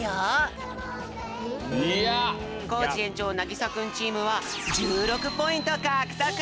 コージ園長なぎさくんチームは１６ポイントかくとく！